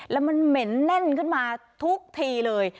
แล้วมันเหม็นแน่นขึ้นมาทุกทีเลย